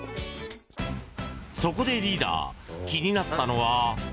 そこでリーダー気になったのは。